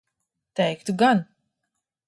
Teiktu gan.